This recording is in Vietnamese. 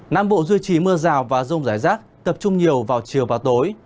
nam bộ duy trì mưa rào và rông rải rác tập trung nhiều vào chiều và tối